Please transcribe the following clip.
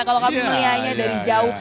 kalau kami menilainya dari jauh